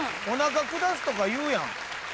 おなかくだすとかいうやん。